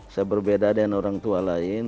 saya berbeda dengan orang tua lain